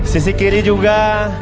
sisi kiri juga